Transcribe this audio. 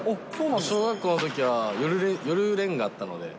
小学校のときは、夜練があったので。